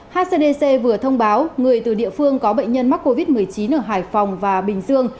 hcdc vừa thông báo người từ địa phương có bệnh nhân mắc covid một mươi chín ở hải phòng và bình dương